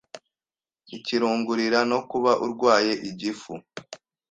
Ikirungurira no kuba urwaye igifu